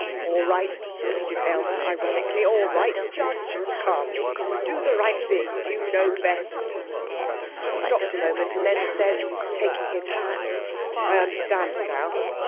'All right,' repeated Aylmer ironically; 'all right! Judge calmly! Do the right thing. You know best.' He stopped a moment, and then said, taking his hat: 'I understand now.